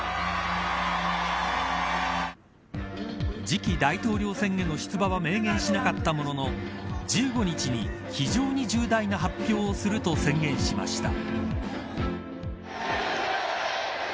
次期大統領選への出馬は明言しなかったものの１５日に非常に重大な発表をすると宣言しました。